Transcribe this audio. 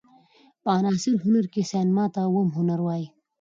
په معاصر هنر کښي سېنما ته اووم هنر وايي.